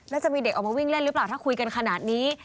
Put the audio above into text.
แล้วจะมีเด็กออกมาวิ่งเล่นหรือเปล่าถ้าคุยกันขนาดนี้